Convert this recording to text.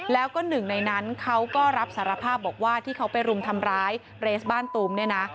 แล้วก็หนึ่งในนั้นเขาก็รับสารภาพบอกว่าที่เขาไปรุมทำร้ายเรสบ้านตูมเนี่ยนะ